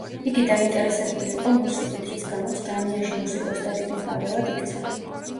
იგი დაინტერესებული იყო მუსიკით, რის გამოც დანიაში მუსიკოსთა დიდ მფარველად იქცა.